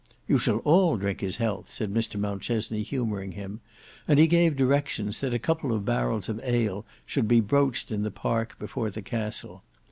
"You shall all drink his health," said Mr Mountchesney humouring him, and he gave directions that a couple of barrels of ale should be broached in the park before the castle.